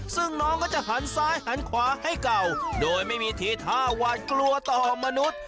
ซึ่งน้องก็จะหันซ้ายหันขวาให้เก่าโดยไม่มีทีท่าหวาดกลัวต่อมนุษย์